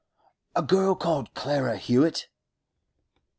'A girl called Clara Hewett.